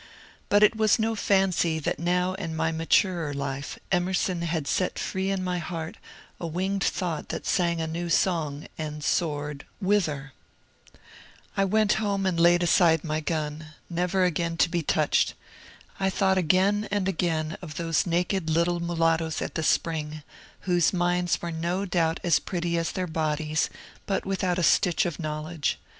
But it was no fancy that now in my maturer life Emerson had set free in my heart a winged thought that sang a new song and soared — whither ? I went home and laid aside my gun, — never again to be touched. I thought again and again of those naked little mulattoes at the spring, whose minds were no doubt as pretty as their bodies, but without a stitch of knowledge.